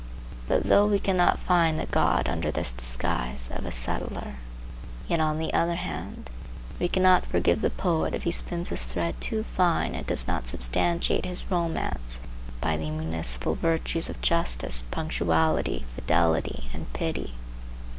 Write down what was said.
But though we cannot find the god under this disguise of a sutler, yet on the other hand we cannot forgive the poet if he spins his thread too fine and does not substantiate his romance by the municipal virtues of justice, punctuality, fidelity and pity.